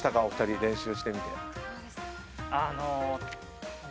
お二人練習してみて。